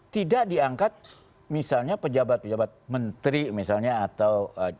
tidak diangkat misalnya pejabat pejabat menteri misalnya atau